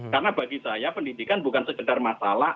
karena bagi saya pendidikan bukan sekedar masalah